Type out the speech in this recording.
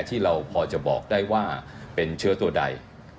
ที่เราพอจะบอกได้ว่าเป็นเชื้อตัวใด